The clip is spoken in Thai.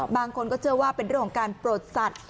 บางคนก็เจอว่าเป็นเรื่องการปรดสัตว์